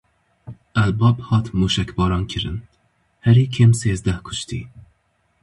El Bab hat mûşekbarankirin: Herî kêm sêzdeh kuştî.